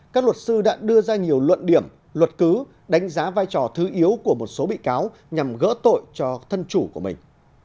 các luật sư đã đưa ra nhiều luận điểm luật cứ đánh giá vai trò thứ yếu của một số bị cáo nhằm gỡ tội cho thân chủ của mình